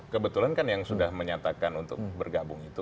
kebetulan kan yang sudah menyatakan untuk bergabung itu